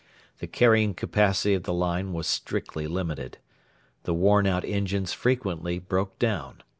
The carrying capacity of the line was strictly limited. The worn out engines frequently broke down.